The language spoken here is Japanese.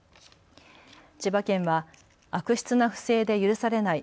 千葉県は悪質な不正で許されない。